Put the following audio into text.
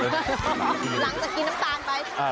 หลังจากกินน้ำตาลไป